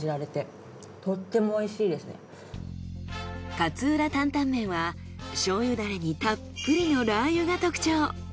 勝浦タンタンメンは醤油ダレにたっぷりのラー油が特徴。